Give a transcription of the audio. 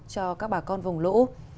cho các bà con vùng lũ